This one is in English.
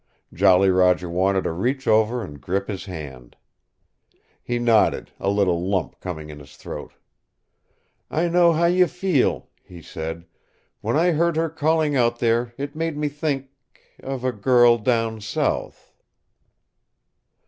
Jolly Roger wanted to reach over and grip his hand. He nodded, a little lump coming in his throat. "I know how you feel," he said. "When I heard her calling out there it made me think of a girl down south."